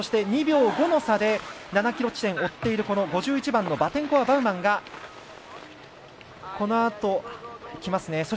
２秒５の差で７ｋｍ地点追ってる５１番のバテンコワバウマンがこのあときますね。